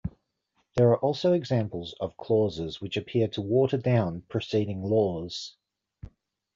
There are also examples of clauses which appear to water down preceding laws.